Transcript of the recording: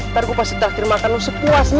ntar gue pasti takdir makan lo sepuasnya